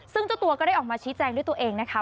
ซึ่งเจ้าตัวก็ได้ออกมาชี้แจงด้วยตัวเองนะคะ